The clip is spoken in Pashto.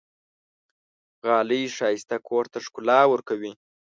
غالۍ ښایسته کور ته ښکلا ورکوي.